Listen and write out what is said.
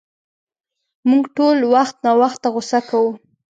مونږ ټول وخت ناوخته غصه کوو.